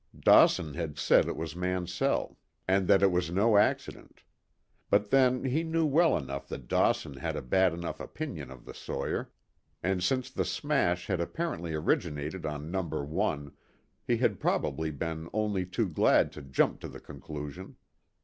Dawson had said it was Mansell, and that it was no accident. But then he knew well enough that Dawson had a bad enough opinion of the sawyer, and since the smash had apparently originated on No. 1, he had probably been only too glad to jump to the conclusion.